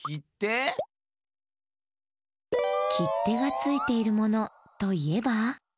きってがついているものといえば？